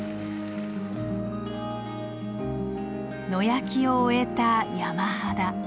野焼きを終えた山肌。